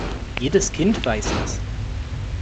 Jedes Kind weiß das.